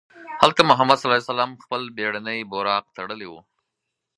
هلته محمد صلی الله علیه وسلم خپله بېړنۍ براق تړلې وه.